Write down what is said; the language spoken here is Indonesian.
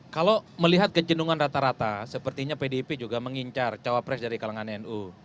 kalau melihat kecendungan rata rata sepertinya pdip juga mengincar cawapres dari kalangan nu